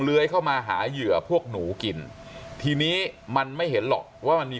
เลื้อยเข้ามาหาเหยื่อพวกหนูกินทีนี้มันไม่เห็นหรอกว่ามันมี